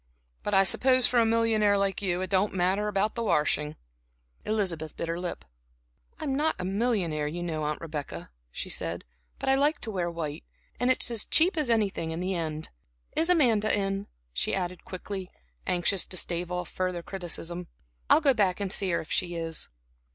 But I suppose for a millionaire like you it don't matter about the washing." Elizabeth bit her lip. "I'm not a millionaire, you know Aunt Rebecca," she said, "but I like to wear white, and it's as cheap as anything in the end. Is Amanda in?" she added quickly, anxious to stave off further criticism. "I'll go back and see her if she is."